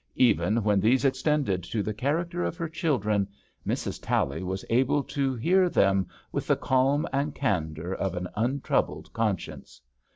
Even when these ex tended to the character of her children, Mrs. Tally was able to hear them with the calm and candour of an untroubled con science.